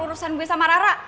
urusan gue sama rara